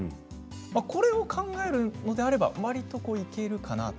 これを考えるのであればわりといけるかなと。